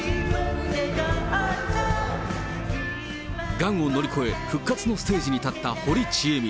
がんを乗り越え、復活のステージに立った堀ちえみ。